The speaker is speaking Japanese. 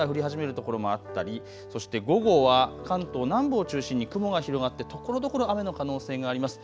日中になると特に伊豆諸島、雨が降り始めるところもあったりそして午後は関東南部を中心に雲が広がってところどころ雨の可能性があります。